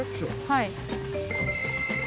はい。